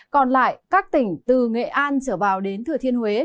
còn lại các tỉnh từ nghệ an trở vào đến thừa thiên huế